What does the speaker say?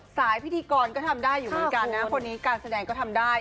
พิธีกรก็ทำได้อยู่เหมือนกันนะคนนี้การแสดงก็ทำได้